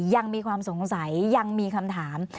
ยังมีความสงสัยยังมีคำถาม